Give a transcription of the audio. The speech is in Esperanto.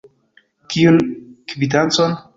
Kiun kvitancon?